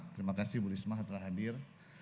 terima kasih bu risma telah hadir